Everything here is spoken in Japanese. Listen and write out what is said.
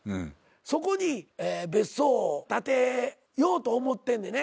そこに別荘を建てようと思ってんねんね。